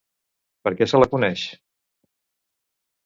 Per què se la coneix?